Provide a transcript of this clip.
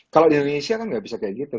kalau di indonesia kan nggak bisa kayak gitu